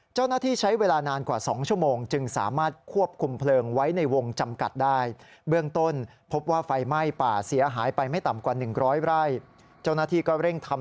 เจ้าหน้าที่ใช้เวลานานกว่า๒ชั่วโมง